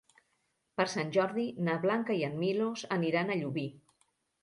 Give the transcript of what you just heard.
Per Sant Jordi na Blanca i en Milos aniran a Llubí.